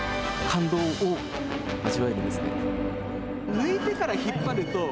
抜いてから引っ張ると。